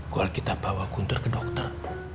kalau kita bawa guntur ke dokter